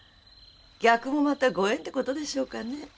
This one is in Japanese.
逆もまたご縁って事でしょうかね。